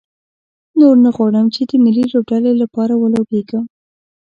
نور نه غواړم چې د ملي لوبډلې لپاره ولوبېږم.